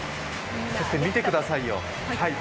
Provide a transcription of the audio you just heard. そして見てくださいよ。